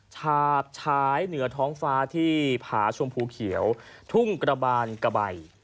ฉาบฉายเหนือท้องฟ้าที่ผาชมพูเขียวทุ่งกระบานกระใบ